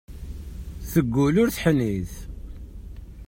Teggull ur teḥnit.